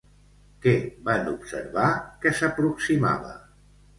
Què van observar que s'aproximava?